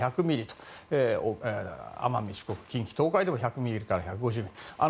奄美、四国、近畿・東海でも１００ミリから１５０ミリ。